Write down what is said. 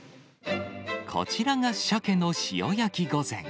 こちらがサケの塩焼き御膳。